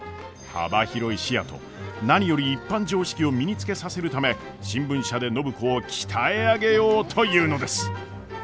幅広い視野と何より一般常識を身につけさせるため新聞社で暢子を鍛え上げようというのです。